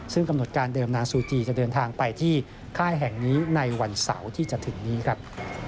ซึ่งกำหนดการเดิมนางซูจีจะเดินทางไปที่ค่ายแห่งนี้ในวันเสาร์ที่จะถึงนี้ครับ